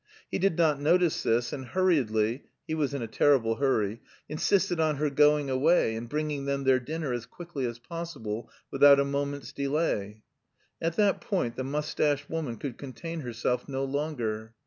He did not notice this, and hurriedly (he was in a terrible hurry) insisted on her going away and bringing them their dinner as quickly as possible, without a moment's delay. At that point the moustached woman could contain herself no longer.